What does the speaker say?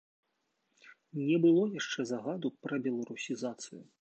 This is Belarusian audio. Не было яшчэ загаду пра беларусізацыю.